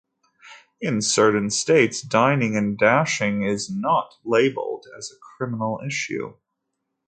In certain states, dining and dashing is not labelled as a criminal issue.